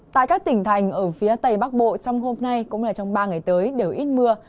tại các tỉnh thành ở phía tây bắc bộ trong hôm nay cũng như trong ba ngày tới đều ít mưa